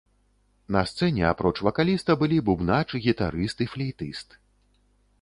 На сцэне, апроч вакаліста, былі бубнач, гітарыст і флейтыст.